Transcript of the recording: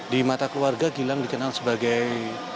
di mata keluarga gilang dikenal sebagai